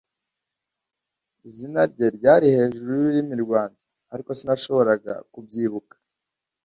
Izina rye ryari hejuru y'ururimi rwanjye, ariko sinashoboraga kubyibuka.